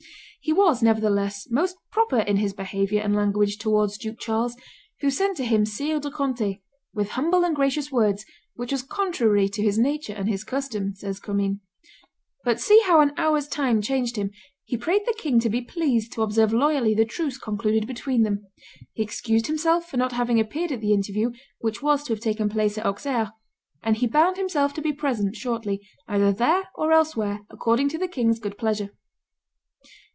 He was, nevertheless, most proper in his behavior and language towards Duke Charles, who sent to him Sire de Contay "with humble and gracious words, which was contrary to his nature and his custom," says Commynes; "but see how an hour's time changed him; he prayed the king to be pleased to observe loyally the truce concluded between them, he excused himself for not having appeared at the interview which was to have taken place at Auxerre, and he bound himself to be present, shortly, either there or elsewhere, according to the king's good pleasure."